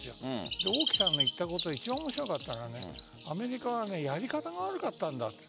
王毅さんが言ったことで面白かったのはアメリカはやり方が悪かったんだと。